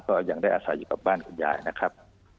ก็ยังได้อาศัยอยู่กับบ้านคุณยายนะครับ